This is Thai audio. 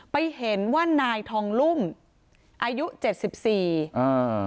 ไปเห็นว่านายทองลุ่มอายุเจ็ดสิบสี่อ่า